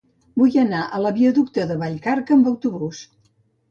Vull anar a la viaducte de Vallcarca amb autobús.